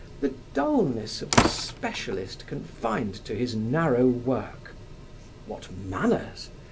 the dullness of the specialist confined to his narrow work. What manners!